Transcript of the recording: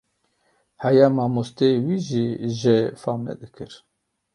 Heya mamosteyê wî jî jê fam nedikir.